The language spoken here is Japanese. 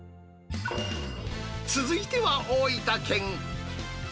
続いては大分県。